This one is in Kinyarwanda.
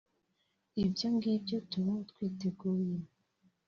ibyo ngibyo tuba twiteguye